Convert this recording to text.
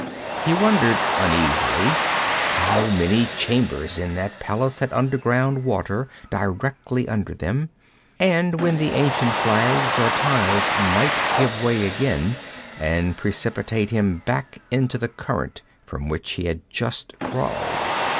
He wondered uneasily how many chambers in that palace had underground water directly under them, and when the ancient flags or tiles might give way again and precipitate him back into the current from which he had just crawled.